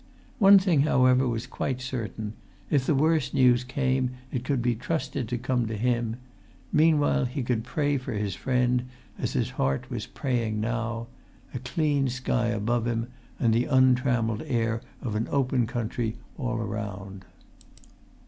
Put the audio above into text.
One thing, however, was quite certain: if the worst news came it could be trusted to come to him; meanwhile he could pray for his friend, as his heart was praying now, a clean sky above him, and the untrammelled air of an open country all around.